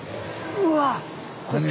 うわ！